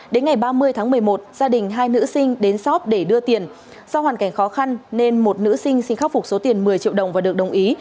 đến ngày ba mươi tháng một mươi một gia đình hai nữ sinh đến sóp để đưa tiền do hoàn cảnh khó khăn nên một nữ sinh xin khắc phục số tiền một mươi triệu đồng và được đồng ý